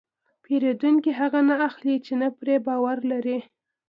پیرودونکی هغه نه اخلي چې نه پرې باور لري.